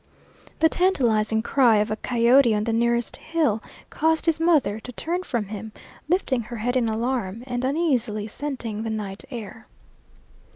The tantalizing cry of a coyote on the nearest hill caused his mother to turn from him, lifting her head in alarm, and uneasily scenting the night air.